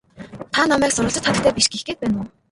Та намайг сурвалжит хатагтай биш гэх гээд байна уу?